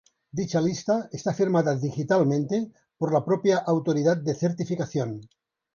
Dicha lista está firmada digitalmente por la propia autoridad de certificación.